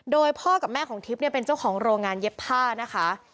โดยพ่อกับแม่ของทิพย์เนี่ยเป็นเจ้าของโรงงานเย็บผ้านะคะ